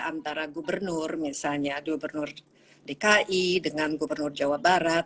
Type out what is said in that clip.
antara gubernur misalnya gubernur dki dengan gubernur jawa barat